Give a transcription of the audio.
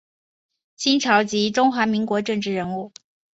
清朝及中华民国政治人物。